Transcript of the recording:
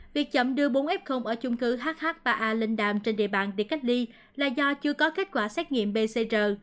việc chậm đưa bốn f ở chung cư hhpa a linh đàm trên địa bàn để cách ly là do chưa có kết quả xét nghiệm pcr